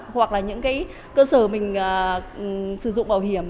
hoặc là những cái cơ sở mình sử dụng bảo hiểm